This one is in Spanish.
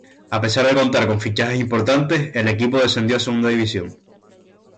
A pesar de contar con fichajes importantes, el equipo descendió a Segunda División.